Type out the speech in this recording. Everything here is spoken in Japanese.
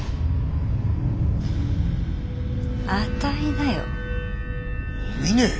あたいだよ。お峰！